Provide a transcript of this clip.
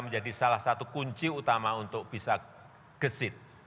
menjadi salah satu kunci utama untuk bisa gesit